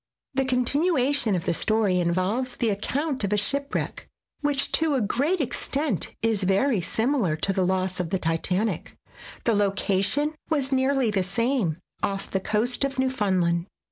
The continuation of the story involves the account of a shipwreck which to a great SKETCHES OF TRAVEL extent is very similar to the loss of the Titanic. The location was nearly the same, off the coast of Newfoundland.